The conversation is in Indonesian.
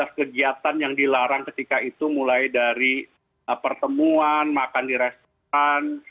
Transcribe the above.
ada empat belas kegiatan yang dilarang ketika itu mulai dari pertemuan makan di restoran